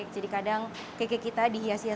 jadi kadang cake cake kita dihias hias